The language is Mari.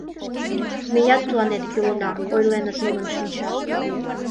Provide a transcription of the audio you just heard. Меат тыланет кӱлына», — ойленыт нунын шинчашт.